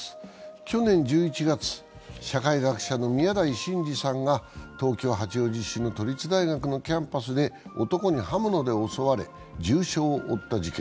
去年１１月、社会学者の宮台真司さんが東京・八王子市の東京都立大学のキャンパスで男に刃物で襲われ、重傷を負った事件。